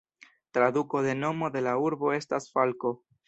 Traduko de nomo de la urbo estas "falko".